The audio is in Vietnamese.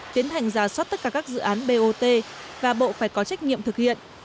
tiến hành giả soát tất cả các dự án bot và bộ phải có trách nhiệm thực hiện